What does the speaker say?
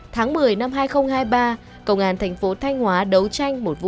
tháng một mươi năm hai nghìn hai mươi ba công an tp thanh hóa đấu tranh một phần